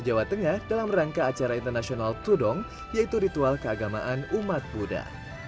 jawa tengah dalam rangka acara internasional tudong yaitu ritual keagamaan umat buddha